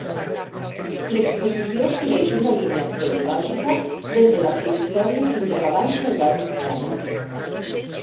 L'exposició segueix una línia cronològica des de la prehistòria fins a la baixa edat mitjana.